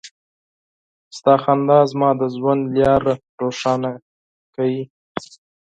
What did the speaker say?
ستا مسکا زما د ژوند لاره روښانه کوي.